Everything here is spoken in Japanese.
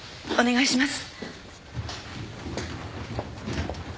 お願いします。